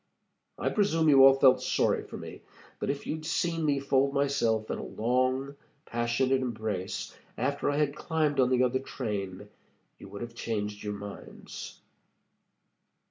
I presume you all felt sorry for me, but if you'd seen me fold myself in a long, passionate embrace after I had climbed on the other train, you would have changed your minds."